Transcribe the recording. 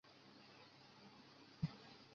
紫花橐吾是菊科橐吾属的植物。